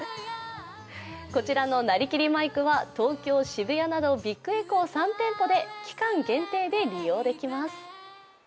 こちらのなりきりマイクは東京・渋谷などビッグエコー３店舗で期間限定で利用できます。